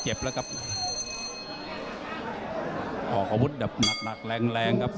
ออกอาวุธนั่กแรงกัก